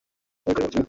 কয়টা, বাচ্চারা?